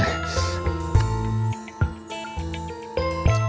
intinya mau dichtu mas